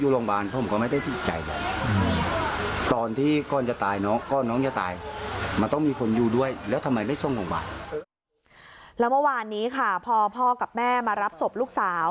แล้วเมื่อวานนี้ค่ะพอพ่อกับแม่มารับศพลูกสาว